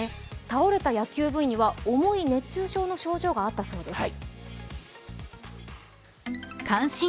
倒れた野球部員には重い熱中症の症状があったそうです。